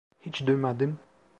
Hiç duymadım.